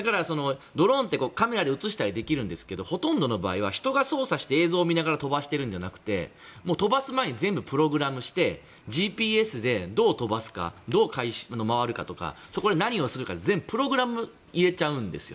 ドローンってカメラで映したりできるんですけどほとんどの場合は人が操作して映像を見ながら飛ばしているんじゃなくて飛ばす前に全部プログラムしてＧＰＳでどう飛ばすか、回収するかをそこで何をするかプログラムを入れちゃうんです。